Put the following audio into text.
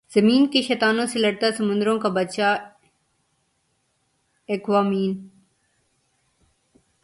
زمین کے شیطانوں سے لڑتا سمندروں کا بادشاہ ایکوامین